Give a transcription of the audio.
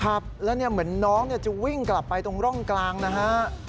ครับแล้วเนี่ยเหมือนน้องจะวิ่งกลับไปตรงร่องกลางนะฮะ